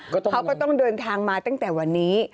เขาก็ต้องเดินทางมาตั้งแต่วันนี้